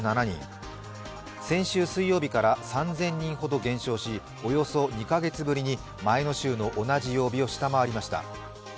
先週水曜日から３０００人ほど減少し、およそ２カ月ぶりに前の週の同じ曜日を下回りました。